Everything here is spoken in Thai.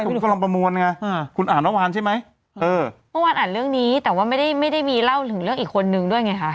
คุณกำลังประมวลไงอ่าคุณอ่านเมื่อวานใช่ไหมเออเมื่อวานอ่านเรื่องนี้แต่ว่าไม่ได้ไม่ได้มีเล่าถึงเรื่องอีกคนนึงด้วยไงคะ